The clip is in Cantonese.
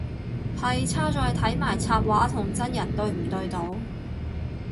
係差在睇埋插畫同真人對唔對到